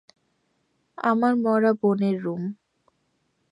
আমার মরা বোনের রূম।